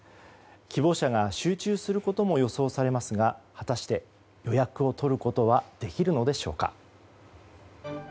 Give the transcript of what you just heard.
希望者が集中することも予想されますが果たして予約を取ることはできるのでしょうか。